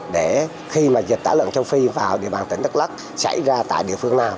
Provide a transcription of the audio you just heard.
để khi mà dịch tả lợn châu phi vào địa bàn tỉnh đắk lắc xảy ra tại địa phương nào